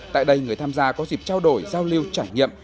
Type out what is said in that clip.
tại đây người tham gia có dịp trao đổi giao lưu trải nghiệm